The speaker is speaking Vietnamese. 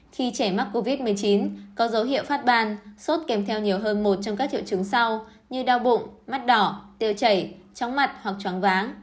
khi trẻ mắc covid một mươi chín có dấu hiệu phát ban sốt kèm theo nhiều hơn một trong các triệu chứng sau như đau bụng mắt đỏ tiêu chảy chóng mặt hoặc chóng váng